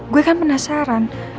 gue kan penasaran